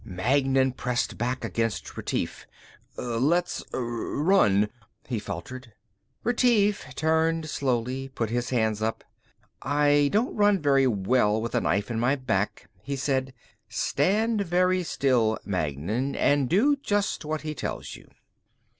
Magnan pressed back against Retief. "Let's ... r run...." he faltered. Retief turned slowly, put his hands up. "I don't run very well with a knife in my back," he said. "Stand very still, Magnan, and do just what he tells you."